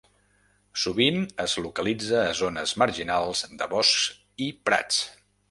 Sovint es localitza a zones marginals de boscs i prats.